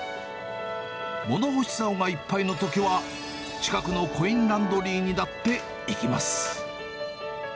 物干しざおがいっぱいのときは、近くのコインランドリーにだって行きます。